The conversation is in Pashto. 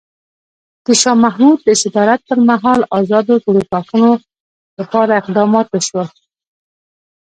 د شاه محمود د صدارت پر مهال ازادو ټولټاکنو لپاره اقدامات وشول.